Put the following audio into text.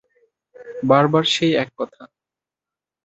বার বার সেই এক কথা।